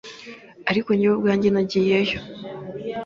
ariko njyewe ubwanjye nagiyeyo